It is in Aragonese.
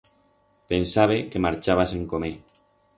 Pensabe que marchabas en comer.